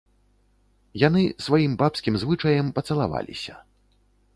Яны, сваім бабскім звычаем, пацалаваліся.